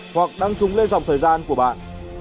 với dòng thời gian của bạn